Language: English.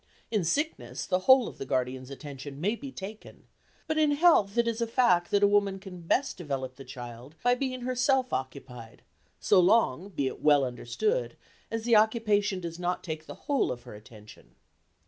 In sickness the whole of the guardian's attention may be taken, but in health it is a fact that a woman can best develop the child by being herself occupied, so long, be it well understood, as the occupation does not take the whole of her attention.